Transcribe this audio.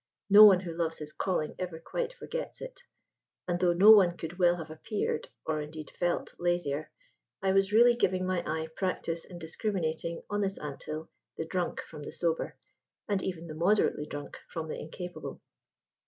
No one who loves his calling ever quite forgets it: and though no one could well have appeared (or indeed felt) lazier, I was really giving my eye practice in discriminating, on this ant hill, the drunk from the sober, and even the moderately drunk from the incapable.